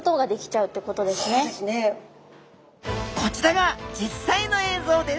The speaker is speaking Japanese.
こちらが実際の映像です。